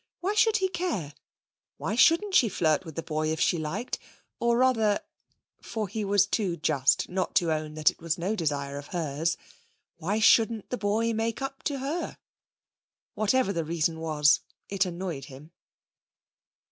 Why should he care? Why shouldn't she flirt with the boy if she liked, or rather for he was too just not to own that it was no desire of hers why shouldn't the boy make up to her? Whatever the reason was, it annoyed him.